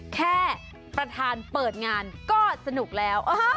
แค่ประธานเปิดงานก็สนุกแล้ว